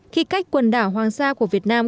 khi cách quần đảo hoàng sa của việt nam